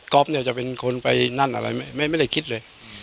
เนี่ยจะเป็นคนไปนั่นอะไรไม่ได้คิดเลย